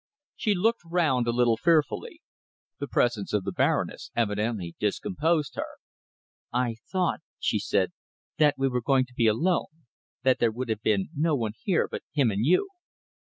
She looked round a little fearfully. The presence of the Baroness evidently discomposed her. "I thought," she said, "that we were going to be alone, that there would have been no one here but him and you."